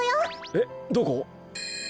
えっどこ？